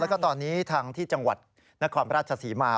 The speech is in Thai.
แล้วก็ตอนนี้ทางที่จังหวัดนครราชศรีมา